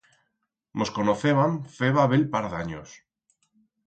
Mos conocébam feba bell par d'anyos.